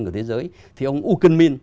của thế giới thì ông woo geun min